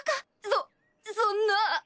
そそんな。